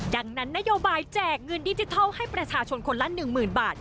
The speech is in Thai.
ดังนั้นนโยบายแจกเงินดิจิทัลให้ประชาชนคนละ๑๐๐๐บาท